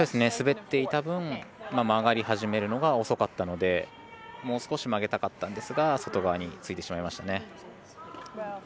滑っていた分曲がり始めるのが遅かったのでもう少し曲げたかったんですが外側についてしまいましたね。